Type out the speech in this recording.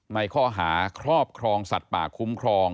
ในข้อหาครอบครองสัตว์ป่าคุ้มครอง